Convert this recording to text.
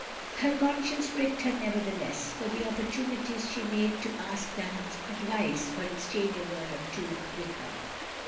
Her conscience pricked her nevertheless, for the op portunities she made to ask Dunham's advice, or exchange a word or two with her.